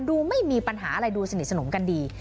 ดูไม่มีปัญหาอะไรดูสนิทสนมกันดี